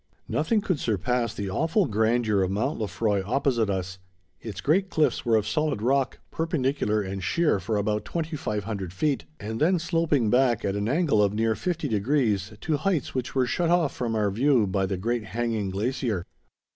Nothing could surpass the awful grandeur of Mount Lefroy opposite us. Its great cliffs were of solid rock, perpendicular and sheer for about 2500 feet, and then sloping back, at an angle of near fifty degrees, to heights which were shut off from our view by the great hanging glacier.